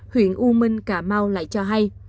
huyện u minh cà mau lại cho hay